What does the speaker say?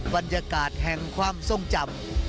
บรรยากาศแห่งความทรงจำ